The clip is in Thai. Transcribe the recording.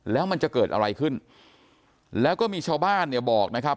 แล้วมันจะเกิดอะไรขึ้นแล้วก็มีชาวบ้านเนี่ยบอกนะครับ